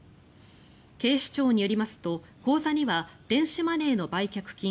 警視庁によりますと口座には電子マネーの売却金